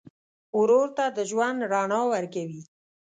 ورور ته د ژوند رڼا ورکوې.